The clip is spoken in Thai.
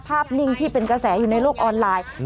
นิ่งที่เป็นกระแสอยู่ในโลกออนไลน์